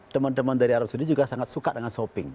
teman teman dari arab saudi juga sangat suka dengan shopping